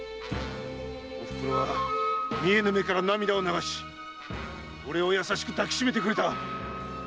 おふくろは見えぬ目から涙を流し俺を優しく抱きしめてくれた！